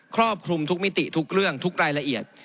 ครอบคลุมทุกมิติทุกเรื่องทุกรายละเอียด